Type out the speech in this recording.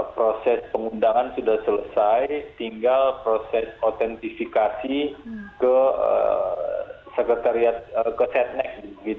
proses pengundangan sudah selesai tinggal proses autentifikasi ke sekretariat ke setnek